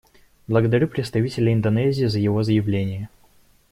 Благодарю представителя Индонезии за его заявление.